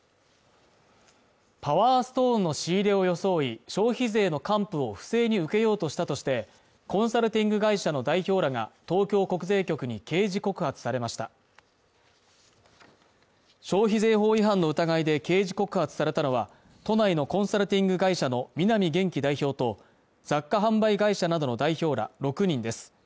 パワーストーンの仕入れを装い消費税の還付を不正に受けようとしたとしてコンサルティング会社の代表らが東京国税局に刑事告発されました消費税法違反の疑いで刑事告発されたのは都内のコンサルティング会社の南元貴代表と雑貨販売会社などの代表ら６人です